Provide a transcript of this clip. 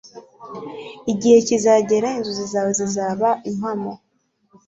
Igihe kizagera inzozi zawe zizaba impamo